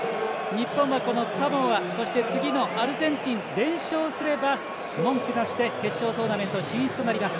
日本がサモア、そして次のアルゼンチン連勝すれば文句なしで決勝トーナメント進出になります。